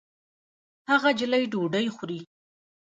هغه نجلۍ ډوډۍ خوري